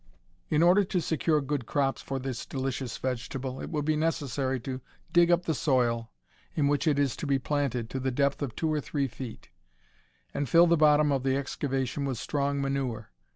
In order to secure good crops of this delicious vegetable it will be necessary to dig up the soil in which it is to be planted to the depth of two or three feet, and fill the bottom of the excavation with strong manure.